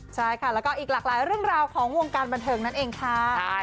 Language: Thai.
ใช่ค่ะแล้วก็อีกหลากหลายเรื่องราวของวงการบันเทิงนั่นเองค่ะ